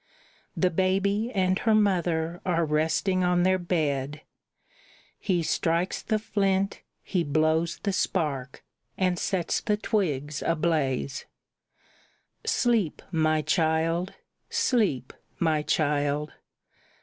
The baby and her mother are resting on their bed; He strikes the flint, he blows the spark, and sets the twigs ablaze. "Sleep, my child; sleep, my child!